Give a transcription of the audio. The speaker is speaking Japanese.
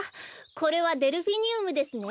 これはデルフィニウムですね。